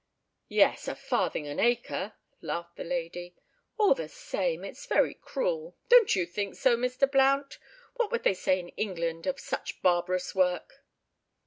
"Yes, a farthing an acre!" laughed the lady. "All the same, it's very cruel—don't you think so, Mr. Blount? What would they say in England of such barbarous work?"